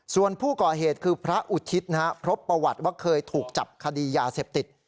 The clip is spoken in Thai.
ส่วนผู้ก่อเหตุคือพระอุทิศนะครับพบประวัติว่าเคยถูกจับคดียาเสพติด